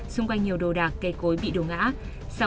xung quanh nhiều đồ đạc cây cối bị đổ ngã